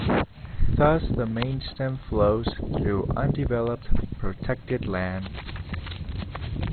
Thus the mainstem flows through undeveloped, protected lands.